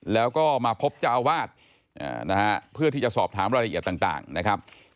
แล้วก็มาพบเจ้าอาวาสนะฮะเพื่อที่จะสอบถามรายละเอียดต่างนะครับ